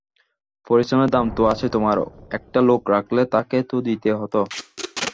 পরিশ্রমের দাম তো আছে তোমার, একটা লোক রাখলে তাকে তো দিতে হত?